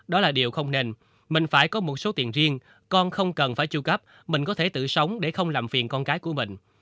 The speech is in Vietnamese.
đó là điều không nên mình phải có một số tiền riêng con không cần phải tru cấp mình có thể tự sống để không làm phiền con cái của mình